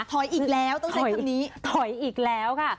อีกแล้วต้องใช้คำนี้ถอยอีกแล้วค่ะ